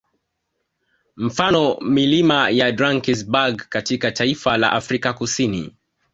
Mfano milima ya Drankesberg katika taifa la Afrika Kusini